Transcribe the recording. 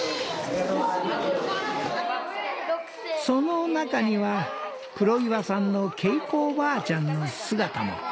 その中には黒岩さんの恵子おばあちゃんの姿も。